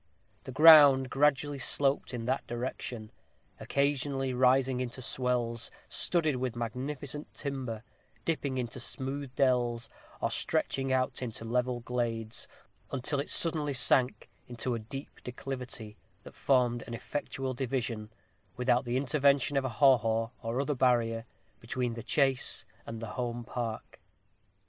The ground gradually sloped in that direction, occasionally rising into swells, studded with magnificent timber dipping into smooth dells, or stretching out into level glades, until it suddenly sank into a deep declivity, that formed an effectual division, without the intervention of a haw haw, or other barrier, between the chase and the home park.